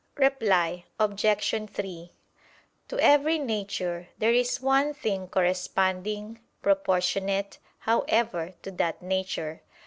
Reply Obj. 3: To every nature there is one thing corresponding, proportionate, however, to that nature.